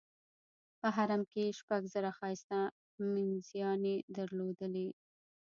په حرم کې یې شپږ زره ښایسته مینځیاني درلودې.